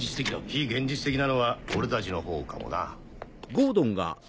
非現実的なのは俺たちのほうかもな。